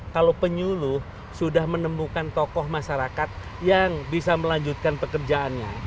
kalau penyuluh sudah menemukan tokoh masyarakat yang bisa melanjutkan pekerjaannya